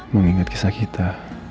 mengingat kisah kita